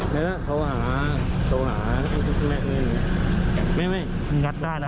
ไงล่ะโทรหาโทรหาไม่งัดได้แล้ว